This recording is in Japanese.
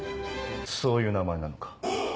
そういう名前なのか。